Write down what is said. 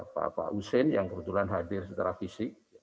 pak pak hussein yang kebetulan hadir secara fisik